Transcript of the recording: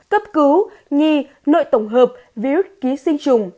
cấp cứu nhi nội tổng hợp virus ký sinh trùng